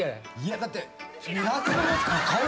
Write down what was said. だって。